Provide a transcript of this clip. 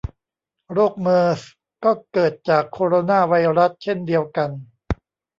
โรคเมอร์สก็เกิดจากโคโรนาไวรัสเช่นเดียวกัน